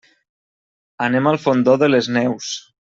Anem al Fondó de les Neus.